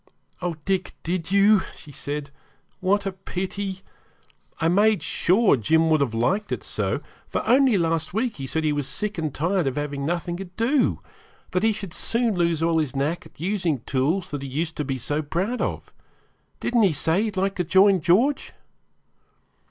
'Oh, Dick, did you?' she said. 'What a pity! I made sure Jim would have liked it so, for only last week he said he was sick and tired of having nothing to do that he should soon lose all his knack at using tools that he used to be so proud of. Didn't he say he'd like to join George?'